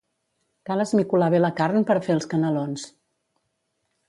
Cal esmicolar bé la carn per a fer els canelons.